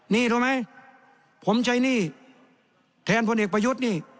นี่รู้ไหมผมใช้หนี้แทนพลเอกประยุทธ์นี่